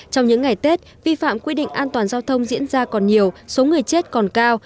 trong những ngày tết vi phạm quy định an toàn giao thông diễn ra còn nhiều số người chết còn cao